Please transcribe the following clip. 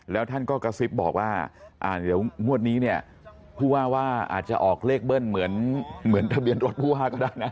แล้วท่านก็กระซิบบอกว่าเดี๋ยวงวดนี้เนี่ยผู้ว่าว่าอาจจะออกเลขเบิ้ลเหมือนทะเบียนรถผู้ว่าก็ได้นะ